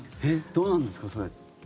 どうなんですか？